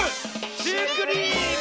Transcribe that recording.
「シュークリーム」！